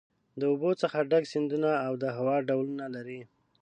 د اوبو څخه ډک سیندونه او د هوا ډولونه لري.